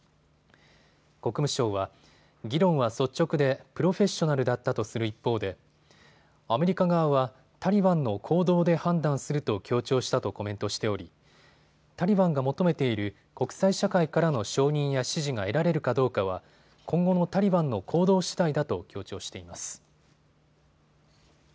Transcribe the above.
国務省は議論は率直でプロフェッショナルだったとする一方で、アメリカ側はタリバンの行動で判断すると強調したとコメントしておりタリバンが求めている国際社会からの承認や支持が得られるかどうかは今後のタリバンの行動しだいだと強調しています。